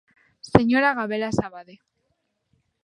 Señora Gabelas Abade.